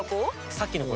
さっきの子？